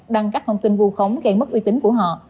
đăng các thông tin vu khống gây mất uy tín của họ